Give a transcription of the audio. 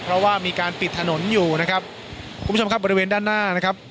เพราะว่ามีการปิดถนนอยู่นะครับคุณผู้ชมครับบริเวณด้านหน้านะครับ